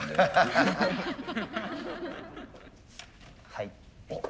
はい。